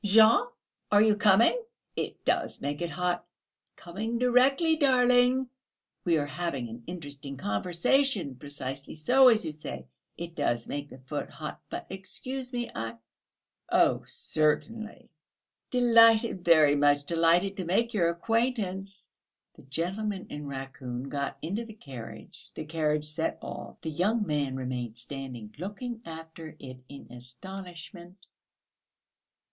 "Jean! Are you coming?" "It does make it hot. Coming directly, darling; we are having an interesting conversation! Precisely so, as you say, it does make the foot hot.... But excuse me, I ..." "Oh, certainly." "Delighted, very much delighted to make your acquaintance!..." The gentleman in raccoon got into the carriage, the carriage set off, the young man remained standing looking after it in astonishment.